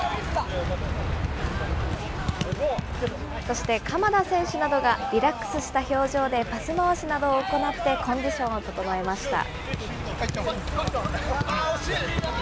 そして鎌田選手などがリラックスした表情でパス回しなどを行って、コンディションを整えました。